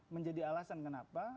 menjadi alasan kenapa